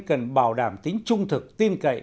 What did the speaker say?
cần bảo đảm tính trung thực tin cậy